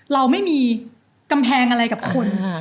เราไม่มีกำแพงกับคน